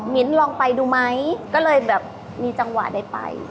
ลองไปดูไหมก็เลยแบบมีจังหวะได้ไป